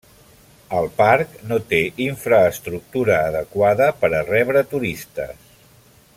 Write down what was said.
El parc no té infraestructura adequada per a rebre turistes.